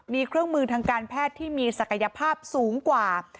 มีเครื่องมือทางการแพทย์ที่มีศักยภาพสูงกว่า